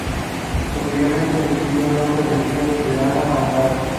Posteriormente, recibió el nombre del río siberiano Angará.